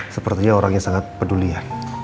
sepertinya orangnya sangat peduli ya